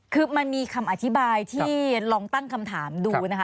คือมันมีคำอธิบายที่ลองตั้งคำถามดูนะคะ